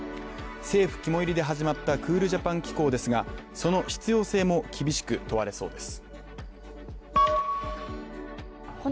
政府肝いりで始まったクールジャパン機構ですがその必要性も厳しく問われそうです。